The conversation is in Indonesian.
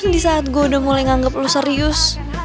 di saat gue udah mulai nyanggep lu serius